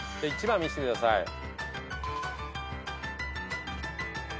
１番見せてください。